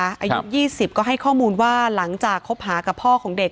อายุ๒๐ก็ให้ข้อมูลว่าหลังจากคบหากับพ่อของเด็ก